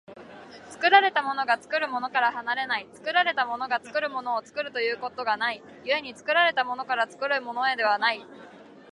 作られたものが作るものから離れない、作られたものが作るものを作るということがない、故に作られたものから作るものへではない。